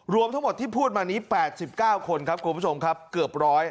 รวมทั้งหมดที่พูดมานี้๘๙คนครับคุณผู้ชมครับเกือบ๑๐๐